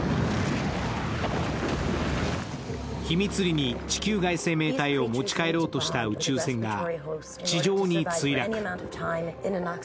秘密裏に地球外生命体を持ち帰ろうとした宇宙船が地上に墜落。